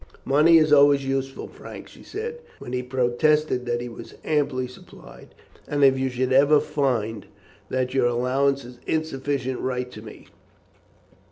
"Money is always useful, Frank," she said, when he protested that he was amply supplied, "and if you should ever find that your allowance is insufficient write to me.